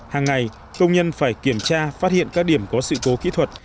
hàng ngày công nhân phải kiểm tra phát hiện các điểm có sự cố kỹ thuật